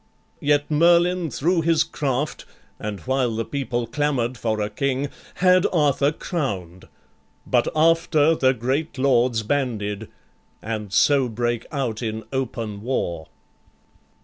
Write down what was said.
Yet Merlin thro' his craft, And while the people clamor'd for a king, Had Arthur crown'd; but after, the great lords Banded, and so brake out in open war."